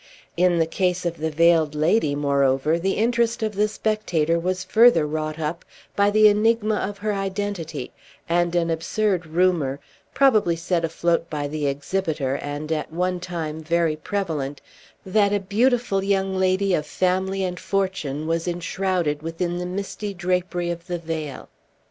In the case of the Veiled Lady, moreover, the interest of the spectator was further wrought up by the enigma of her identity, and an absurd rumor (probably set afloat by the exhibitor, and at one time very prevalent) that a beautiful young lady, of family and fortune, was enshrouded within the misty drapery of the veil.